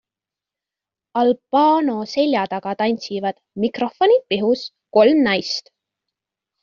Al Bano selja taga tantsivad, mikrofonid pihus, kolm naist.